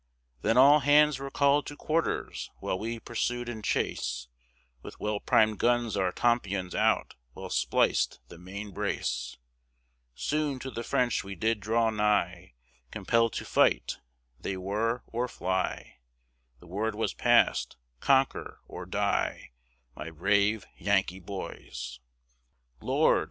Then all hands were called to quarters, while we pursued in chase, With well prim'd guns, our tompions out, well spliced the main brace. Soon to the French we did draw nigh, Compelled to fight, they were, or fly, The word was passed, "CONQUER OR DIE," My brave Yankee boys. Lord!